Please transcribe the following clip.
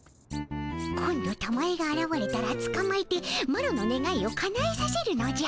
今度たまえがあらわれたらつかまえてマロのねがいをかなえさせるのじゃ。